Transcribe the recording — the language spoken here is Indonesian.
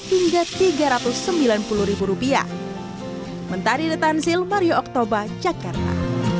hingga tiga ratus sembilan puluh rupiah mentari the tansil mario oktober jakarta